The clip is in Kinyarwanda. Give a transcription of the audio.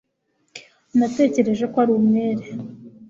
natekereje ko ari umwere